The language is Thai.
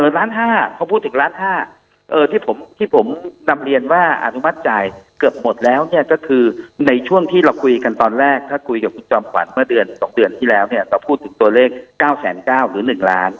ล้าน๕พอพูดถึงล้าน๕ที่ผมนำเรียนว่าอนุมัติจ่ายเกือบหมดแล้วเนี่ยก็คือในช่วงที่เราคุยกันตอนแรกถ้าคุยกับคุณจอมขวัญเมื่อเดือน๒เดือนที่แล้วเนี่ยเราพูดถึงตัวเลข๙๙๐๐หรือ๑ล้าน